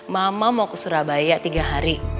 mama mau ke surabaya tiga hari